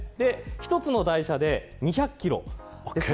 １つの台車で２００キロ。